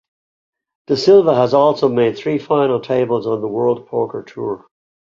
De Silva has also made three final tables on the World Poker Tour.